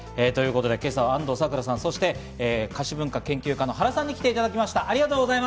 今朝は安藤サクラさん、そして菓子文化研究家の原さんに来ていただきました、ありがとうございま